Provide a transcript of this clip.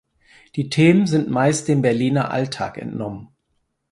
Die Themen sind meist dem Berliner Alltag entnommen.